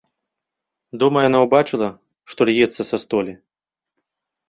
Дома яна ўбачыла, што льецца са столі.